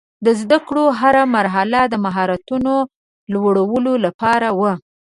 د زده کړې هره مرحله د مهارتونو لوړولو لپاره وه.